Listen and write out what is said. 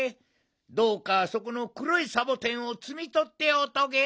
どうかそこのくろいサボテンをつみとっておトゲ。